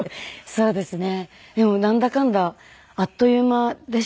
そうですね。